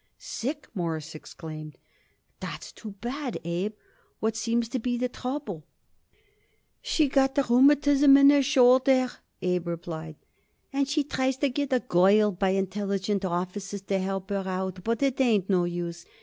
"Sick!" Morris exclaimed. "That's too bad, Abe. What seems to be the trouble?" "She got the rheumatism in her shoulder," Abe replied, "and she tries to get a girl by intelligent offices to help her out, but it ain't no use.